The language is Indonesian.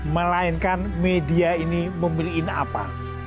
melainkan media ini memilih apa